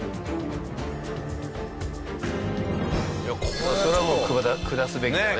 これはもう下すべきだね。